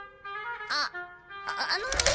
ああのね